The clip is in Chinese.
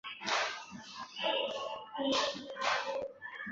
杨朝晟率军迎接张献甫到任。